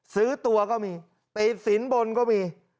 ซื้อตัวก็มีติดสินบนก็มี